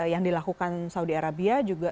yang dilakukan saudi arabia juga